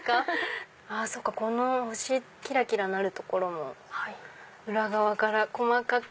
この星キラキラなる所も裏側から細かく。